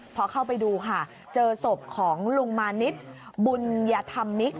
พอเข้าไปดูค่ะเจอศพของลุงมานิดบุญยธรรมนิก